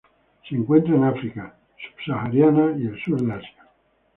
Se encuentra en África subsahariana y el Sur de Asia.